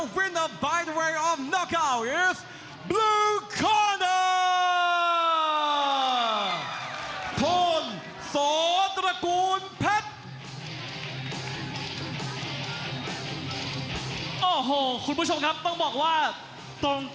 ฝั่งศอกส่วนหนีศอกส่วน